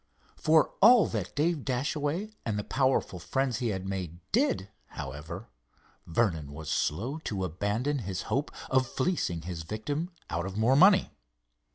For all that Dave Dashaway and the powerful friends he had made did, however, Vernon was slow to abandon his hope of fleecing his victim out of more money.